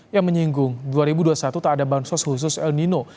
yang menyinggung dua ribu dua puluh satu tak ada bansos khusus el nino